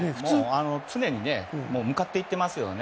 常に向かっていってますね。